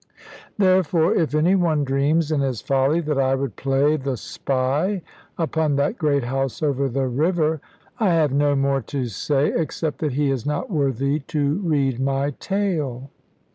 Therefore, if any one dreams, in his folly, that I would play the spy upon that great house over the river, I have no more to say, except that he is not worthy to read my tale.